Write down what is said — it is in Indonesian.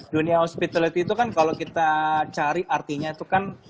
dunia hospitality itu kan kalau kita cari artinya itu kan